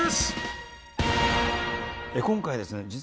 今回ですね